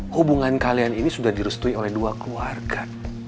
hubungan kalian ini sudah direstui oleh dua keluarga